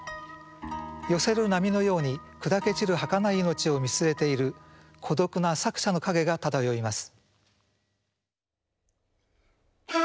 寄せる波のように砕け散るはかない命を見据えている孤独な作者の影が漂います。